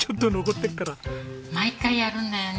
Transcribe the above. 毎回やるんだよね。